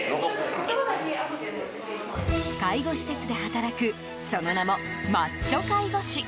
介護施設で働くその名も、マッチョ介護士。